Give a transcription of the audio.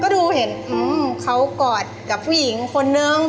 ก็ดูเห็นเขากอดกับผู้หญิงคนนึง